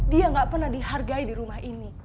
dia gak pernah dihargai di rumah ini